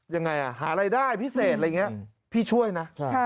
ยังไงหารายได้พิเศษอะไรอย่างนี้พี่ช่วยนะ